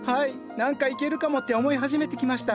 何かいけるかもって思い始めてきました。